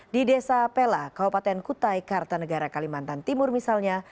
di desa pela kabupaten kutai kartanegara kalimantan timur misalnya